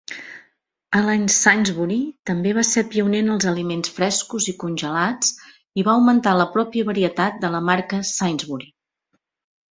Alan Sainsbury també va ser pioner en els aliments frescos i congelats i va augmentar la pròpia varietat de la marca de Sainsbury.